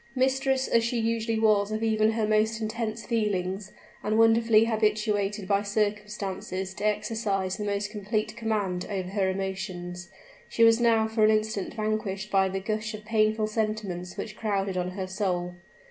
Mistress as she usually was of even her most intense feelings, and wonderfully habituated by circumstances to exercise the most complete command over her emotions, she was now for an instant vanquished by the gush of painful sentiments which crowded on her soul.